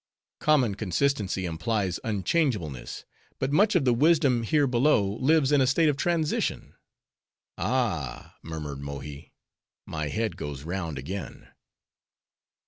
Common consistency implies unchangeableness; but much of the wisdom here below lives in a state of transition." "Ah!" murmured Mold, "my head goes round again."